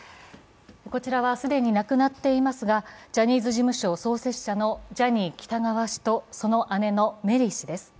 こちらは既に亡くなっていますがジャニーズ事務所創設者のジャニー喜多川氏と、その姉のメリー氏です。